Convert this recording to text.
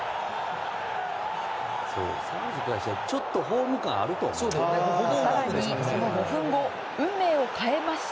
ちょっとホーム感あると思います。